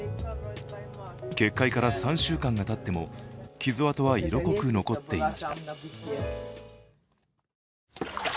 決壊から３週間がたっても傷跡は色濃く残っていました。